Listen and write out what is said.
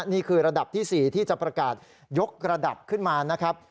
นี่คือระดับที่๔ที่จะประกาศยกระดับขึ้นมานะครับ